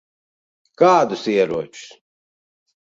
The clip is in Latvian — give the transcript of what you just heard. Kādus ieročus?